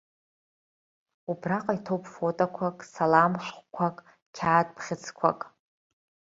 Убраҟа иҭоуп фотоқәак, салам шәҟәқәақ, қьаад бӷьыцқәак.